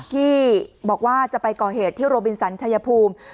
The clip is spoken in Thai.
ที่บอกว่าจะไปก่อเหตุที่โรบินสันชายภูมิ